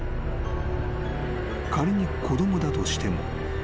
［仮に子供だとしても］